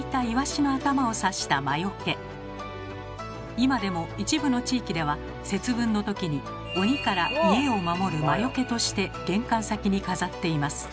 今でも一部の地域では節分の時に鬼から家を守る魔よけとして玄関先に飾っています。